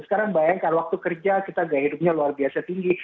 sekarang bayangkan waktu kerja kita gaya hidupnya luar biasa tinggi